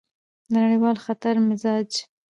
د نړیوال خطر مزاج: